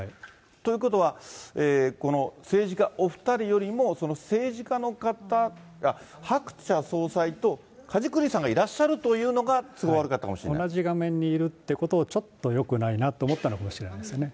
ということは、この政治家お２人よりも、その政治家の方、ハクチャ総裁と梶栗さんがいらっしゃるというのが、同じ画面にいるということを、ちょっとよくないなと思ったのかもしれませんね。